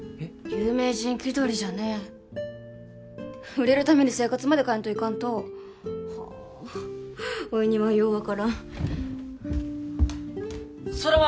有名人気取りじゃね売れるために生活まで変えんといかんとほおおいにはよう分からん空豆！